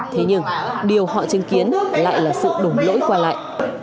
thế nhưng điều họ chứng kiến lại là sự đổng lỗi qua lại